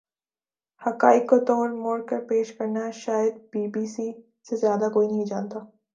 حقائق کو توڑ مروڑ کر پیش کرنا شاید بی بی سی سے زیادہ کوئی نہیں جانتا